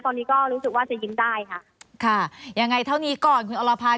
ตอนนี้ก็รู้สึกว่าจะยิ้มได้ค่ะค่ะยังไงเท่านี้ก่อนคุณอรพันธ์